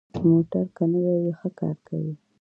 موټر که نوي وي، ښه کار کوي.